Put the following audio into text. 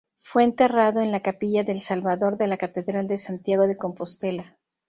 Fue enterrado en la capilla del Salvador de la catedral de Santiago de Compostela.